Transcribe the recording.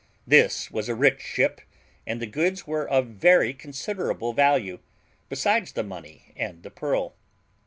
This was a rich ship, and the goods were of very considerable value, besides the money and the pearl.